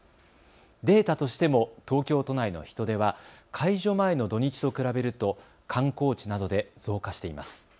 データとしても東京都内の人出は解除前の土日と比べると観光地などで増加しています。